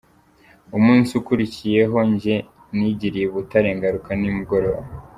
Umunsi ukurikiyeho jye nigiriye i Butare, ngaruka ni mugoroba.